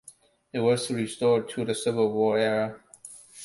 It was restored to the Civil War era.